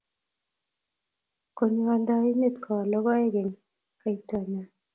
Konyo aldoinde koal logoek eng' kaitanyo